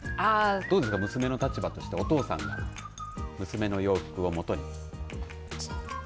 どうですか娘の立場としてお父さんが娘の洋服をもとに。